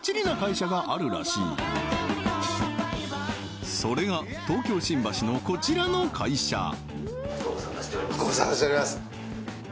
な会社があるらしいそれが東京・新橋のこちらの会社